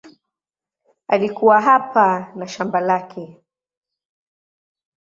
Alikuwa hapa na shamba lake.